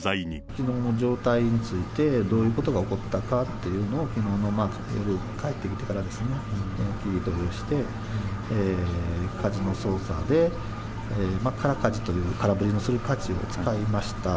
きのうの状態について、どういうことが起こったかっていうのを、きのうの夜、帰ってきてからですね、聞き取りをして、かじの操作で空かじという、空振りをするかじを使いました。